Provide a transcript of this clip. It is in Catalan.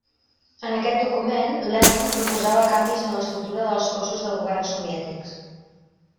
En aquest document, Lenin proposava canvis en l'estructura dels cossos de govern soviètics.